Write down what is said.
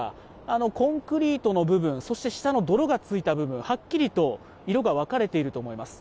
あのコンクリートの部分、そして下の泥がついた部分、はっきりと色が分かれていると思います。